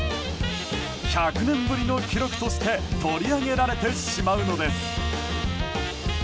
１００年ぶりの記録として取り上げられてしまうのです。